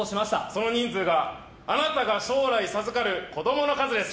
その人数があなたが将来授かる子供の数です。